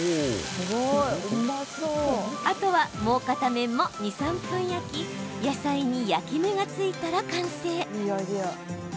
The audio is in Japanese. あとは、もう片面も２、３分焼き野菜に焼き目がついたら完成！